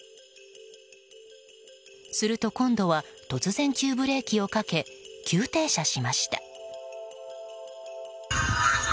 すると今度は突然、急ブレーキをかけ急停車しました。